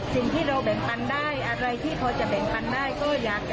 สิ่งที่เราแบ่งปันได้อะไรที่พอจะแบ่งปันได้ก็อยากจะแบ่งปันเป็นขวัญกำลังใจ